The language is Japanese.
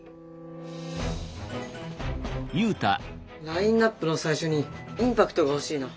ラインナップの最初にインパクトが欲しいな。